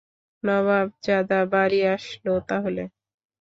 নবাব জাদা বাড়ি আসলো তাহলে?